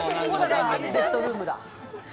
ベッドルームだ。